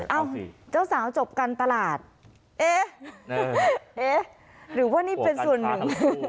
เอ้าเจ้าสาวจบการตลาดเอ๊ะหรือว่านี่เป็นส่วนหนึ่ง